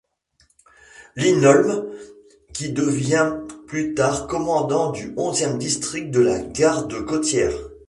Linholm, qui devint plus tard commandant du onzième district de la Garde côtière.